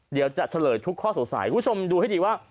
เดี๋ยวจะเฉลยทุกข้อสงสัยคุณผู้ชมดูให้ดีว่า